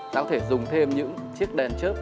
ta có thể dùng thêm những chiếc đèn chớp